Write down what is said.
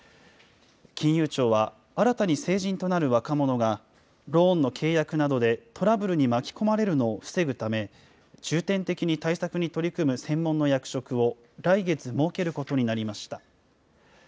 金融庁は新たに成人となる若者が、ローンの契約などでトラブルに巻き込まれるのを防ぐため、重点的に対策に取り組む専門の役職を、来月、設けることになりました。